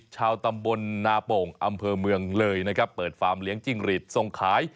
ชาวตำบลนาโป่งอำเภอเมืองเลยนะครับเปิดฟาร์มเลี้ยงจิ้งหรีดส่งขาย